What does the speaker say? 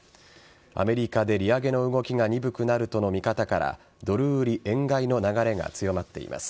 アメリカで利上げの動きが鈍くなるとの見方からドル売り円買いの流れが強まっています。